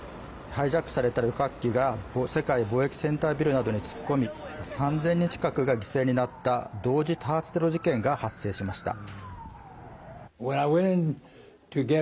ハイジャックされた旅客機が世界貿易センタービルなどに突っ込み３０００人近くが犠牲になった同時多発テロ事件が発生しました。